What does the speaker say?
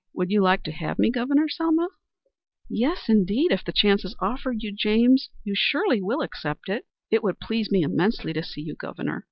Would you like to have me Governor, Selma?" "Yes, indeed. If the chance is offered you, James, you will surely accept it. It would please me immensely to see you Governor.